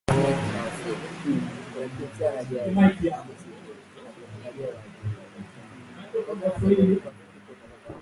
The first two lines are called premises, and the last line the conclusion.